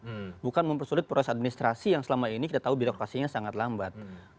karena itu memang mempersulit proses administrasi yang selama ini kita tahu bidokrasinya sangat lambat